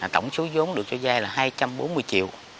tổng số giống được cho dây là hai trăm bốn mươi triệu